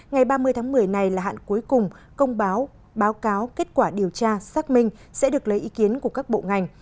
ngày ba mươi tháng một mươi này là hạn cuối cùng công báo báo cáo kết quả điều tra xác minh sẽ được lấy ý kiến của các bộ ngành